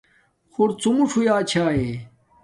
خُرڎُمُݽ ہݸݵئ چھݳݵے.